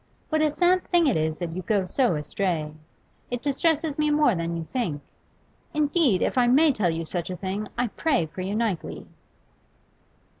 What a sad thing it is that you go so astray t It distresses me more than you think. Indeed, if I may tell you such a thing, I pray for you nightly.